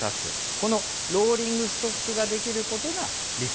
このローリングストックができることが理想。